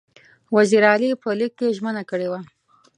وزیر علي په لیک کې ژمنه کړې وه.